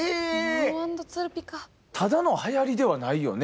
ただのはやりではないよね。